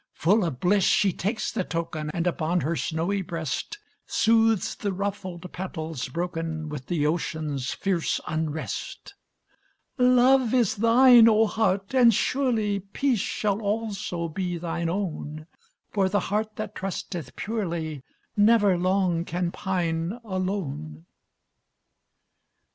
Full of bliss she takes the token, And, upon her snowy breast, Soothes the ruffled petals broken With the ocean's fierce unrest. "Love is thine, O heart! and surely Peace shall also be thine own, For the heart that trusteth purely Never long can pine alone."